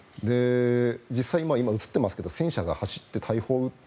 実際今映っていますが戦車が走って。